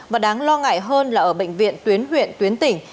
và đáng lo ngại hơn là ở bệnh viện tuyến huyện tuyến tỉnh